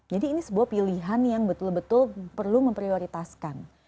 jadi ini sebuah pilihan yang betul betul perlu memprioritaskan